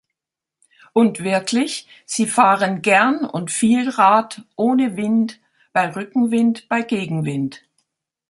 Und wirklich, Sie fahren gern und viel Rad, ohne Wind, bei Rückenwind, bei Gegenwind.